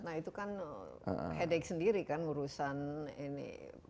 nah itu kan headache sendiri kan urusan ini